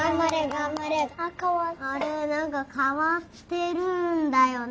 なんかかわってるんだよね。